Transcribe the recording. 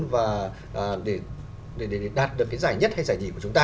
và để đạt được cái giải nhất hay giải nhì của chúng ta